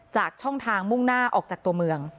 ช่องทางมุ่งหน้าออกจากตัวเมือง